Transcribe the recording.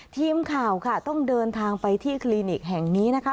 ทีมข่าวค่ะต้องเดินทางไปที่คลินิกแห่งนี้นะคะ